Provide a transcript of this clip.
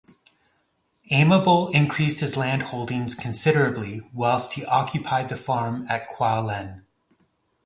Aimable increased his land holdings considerably whilst he occupied the farm at Qualen.